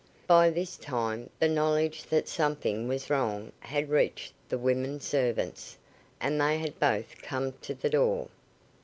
By this time, the knowledge that something was wrong had reached the women servants, and they had both come to the door.